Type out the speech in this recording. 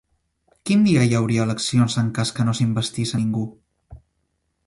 Quin dia hi hauria eleccions en cas que no s'investís a ningú?